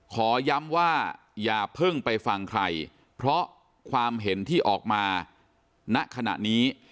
ขอย้ำว่าอย่าเพิ่งไปฟังใครเพราะความเห็นที่ออกมาณขณะนี้